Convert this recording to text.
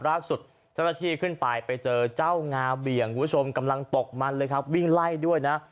ล่าสุดเจ้าหน้าที่ขึ้นไปไปเจอเจ้างาเบี่ยงคุณผู้ชมกำลังตกมันเลยครับวิ่งไล่ด้วยนะ